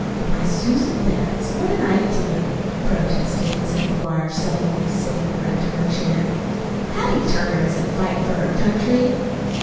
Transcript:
"Why, Susan Betts, what an idea!" protested Mrs. McGuire, suddenly sitting erect in her chair. "Hattie Turner isn't fightin' for her country."